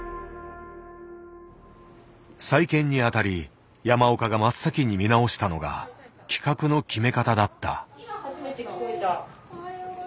再建にあたり山岡が真っ先に見直したのが企画の決め方だった。